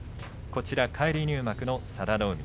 返り入幕の佐田の海